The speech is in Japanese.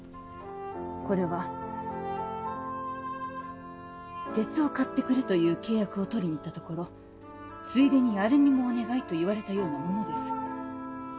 これは鉄を買ってくれという契約を取りにいったところついでにアルミもお願いと言われたようなものです